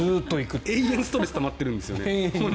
永遠にストレスたまっているんですよね。